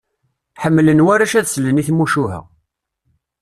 Ḥemmlen warrac ad slen i tmucuha.